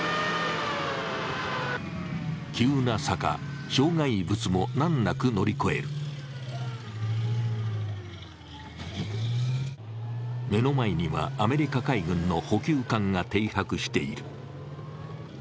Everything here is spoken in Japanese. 急な坂、障害物も難なく乗り越える目の前には、アメリカ海軍の補給艦が停泊している。